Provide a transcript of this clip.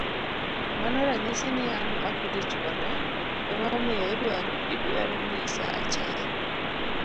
Mano ranyisi ni an okidich koda, ema omiyo idwaro nyisa achaye.